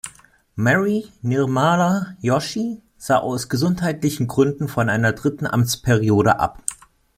Mary Nirmala Joshi, sah aus gesundheitlichen Gründen von einer dritten Amtsperiode ab.